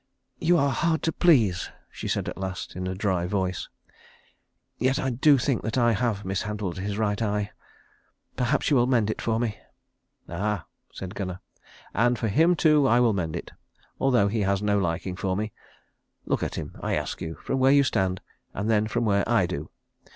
"You are hard to please," she said at last, in a dry voice. "Yet I do think that I have mishandled his right eye. Perhaps you will mend it for me." "Ah," said Gunnar, "and for him too I will mend it, though he has no liking for me. Look at him, I ask you, from where you stand, and then from where I do.